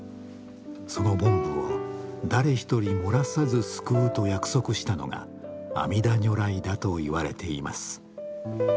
その凡夫を誰一人漏らさず救うと約束したのが阿弥陀如来だといわれています。